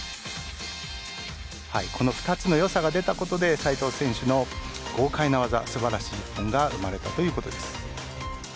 この２つのよさが出たことで斉藤選手の豪快な技、素晴らしい一本が生まれたということです。